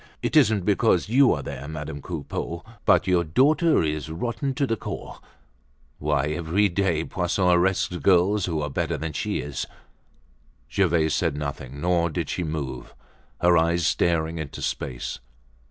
"It isn't because you are there, Madame Coupeau, but your daughter is rotten to the core. Why, every day Poisson arrests girls who are better than she is." Gervaise said nothing, nor did she move; her eyes staring into space.